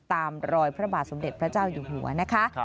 ตามรอยพระบาทสมเด็จพระเจ้าอยู่หัวนะคะ